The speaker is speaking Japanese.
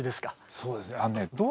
そうですね